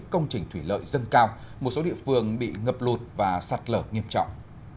công trình thủy lợi dâng cao một số địa phương bị ngập lụt và sạt lở nghiêm trọng